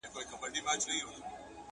ډبرینه یې قلا لیري له ښاره!